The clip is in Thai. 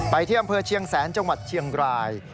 ที่อำเภอเชียงแสนจังหวัดเชียงราย